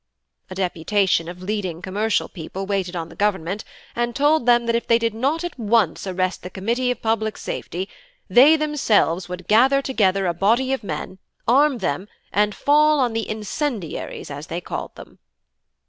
A deputation of leading commercial people waited on the Government and told them that if they did not at once arrest the Committee of Public Safety, they themselves would gather a body of men, arm them, and fall on 'the incendiaries,' as they called them.